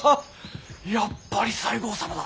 やっぱり西郷様だ。